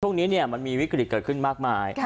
ช่วงนี้มันมีวิกฤตเกิดขึ้นมากมาย